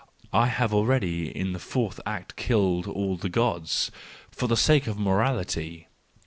— I have already in the fourth act killed all the Gods— for the sake of morality!